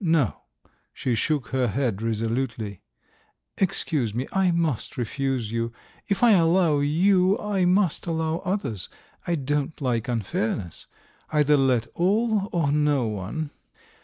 No!" she shook her head resolutely. "Excuse me, I must refuse you. If I allow you I must allow others. I don't like unfairness. Either let all or no one."